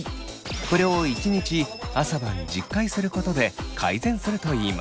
これを１日朝晩１０回することで改善するといいます。